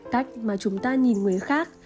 cách mà chúng ta nhìn người khác